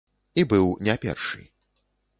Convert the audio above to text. І быў не першы.